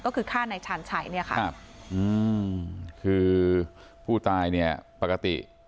ก็คือฆ่านายชาญชัยเนี่ยค่ะครับอืมคือผู้ตายเนี่ยปกติ